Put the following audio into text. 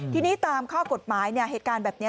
ทีนี้ตามข้อกฎหมายเหตุการณ์แบบนี้